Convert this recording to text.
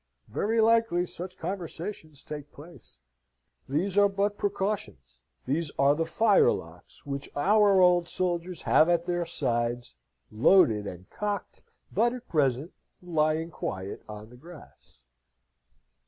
Very likely such conversations take place. These are but precautions these are the firelocks which our old soldiers have at their sides, loaded and cocked, but at present lying quiet on the grass.